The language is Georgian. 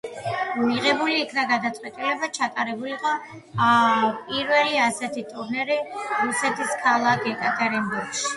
მიღებული იქნა გადაწყვეტილება ჩატარებულიყო პირველი ასეთი ტურნირი რუსეთის ქალაქ ეკატერინბურგში.